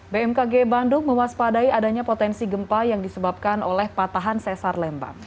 bmkg bandung mewaspadai adanya potensi gempa yang disebabkan oleh patahan sesar lembang